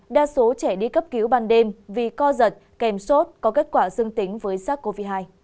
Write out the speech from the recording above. đa số trẻ đi cấp cứu ban đêm vì co giật kèm sốt có kết quả dương tính với sars cov hai